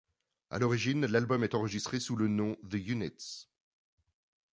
À l’origine, l'album est enregistré sous le nom The Units.